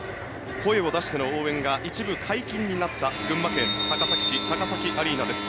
声を出しての応援が一部解禁になった群馬県高崎市高崎アリーナです。